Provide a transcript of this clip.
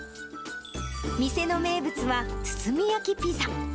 店の名物は包み焼きピザ。